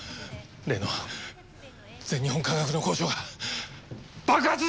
例の全日本化学の工場が爆発したそうです！